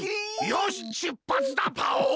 よししゅっぱつだパオン！